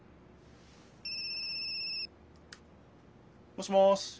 もしもし？